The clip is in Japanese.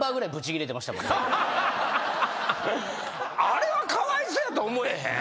あれはかわいそうやと思えへん？